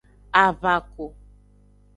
Avako.